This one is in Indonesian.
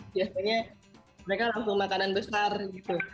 biasanya mereka langsung makanan besar gitu